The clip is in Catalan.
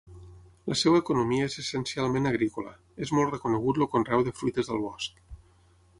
La seva economia és essencialment agrícola: és molt reconegut el conreu de fruites del bosc.